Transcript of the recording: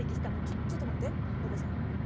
ちょっと待って藍子さん